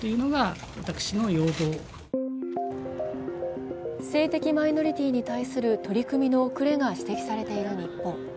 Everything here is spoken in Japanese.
判決後、職員は性的マイノリティーに対する取り組みの遅れが指摘されている日本。